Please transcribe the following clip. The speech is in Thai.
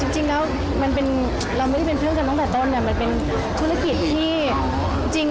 จริงแล้วเราไม่ได้เป็นเพื่อนกันตั้งแต่ต้นมันเป็นธุรกิจที่จริง